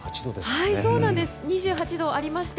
２８度ありまして